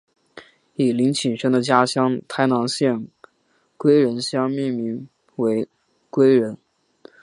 以林启生的家乡台南县归仁乡命名为归仁。